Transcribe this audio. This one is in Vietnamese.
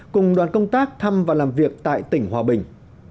cùng đoàn công tác thăm và làm việc tại tỉnh hòa bình